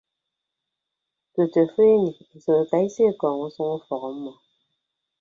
Tutu afịdini esʌk ekaiso ekọọñ usʌñ ufọk ọmmọ.